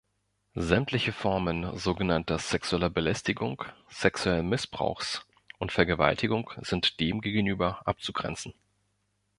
Sämtliche Formen sogenannter sexueller Belästigung, sexuellen Missbrauchs und Vergewaltigung sind demgegenüber abzugrenzen.